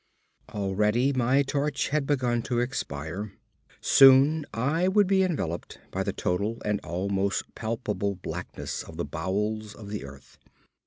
Already my torch had begun to expire; soon I would be enveloped by the total and almost palpable blackness of the bowels of the earth.